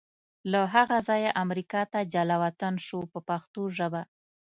له هغه ځایه امریکا ته جلا وطن شو په پښتو ژبه.